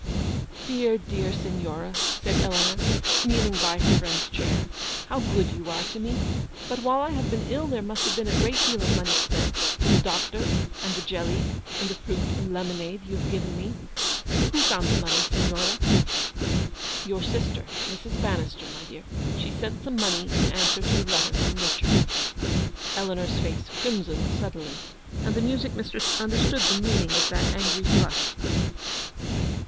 Dear, dear Signora !" said Eleanor, kneel ing by her friend's chair. "How good you are to me. Bat while I have been ill there must have been a great deal of money spent : for the doctor, and the jelly, and fruit and lemonade you have given me — who found the money, Signora?" "Your sister, Mrs. Bannister, my dear; she sent some money in answer to a letter from Richard." Eleanor's face crimsoned suddenly, and the 183 ELEANOR'S VICTORY. music mistress understood the meaning of that angry flush.